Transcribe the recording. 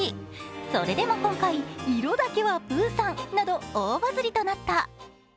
それでも今回、色だけはプーさんなど大バズりとなった。